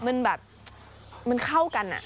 มันแบบมันเข้ากัน